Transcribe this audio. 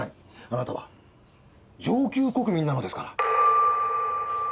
あなたは上級国民なのですから。